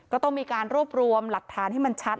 ก็ต้องมีการรวบรวมหลักฐานให้มันชัด